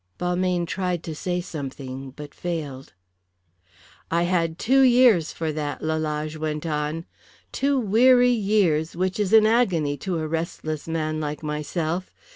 Balmayne tried to say something, but failed. "I had two years for that," Lalage went on, "two weary years which is an agony to a restless man like myself.